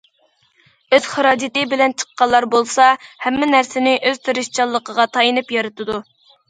ئۆز خىراجىتى بىلەن چىققانلار بولسا ھەممە نەرسىنى ئۆز تىرىشچانلىقىغا تايىنىپ يارىتىدۇ.